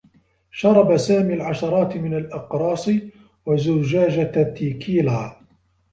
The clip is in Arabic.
شرب سامي العشرات من الأقراص و زجاجة تيكيلا.